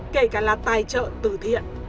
kể cả là tài trợ từ thiện